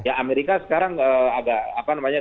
ya amerika sekarang agak apa namanya